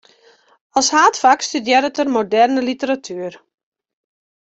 As haadfak studearret er moderne literatuer.